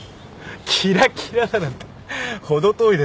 キラキラだなんて程遠いです。